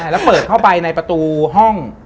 แล้วเปิดเข้าไปในประตูห้อง